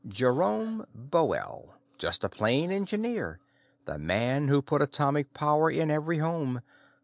Jerome Boell, just a plain engineer, the man who put atomic power in every home.